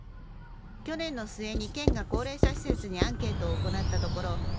去年の末に県が高齢者施設にアンケートを行ったところ